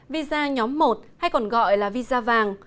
visa nhóm một hay còn gọi là visa vàng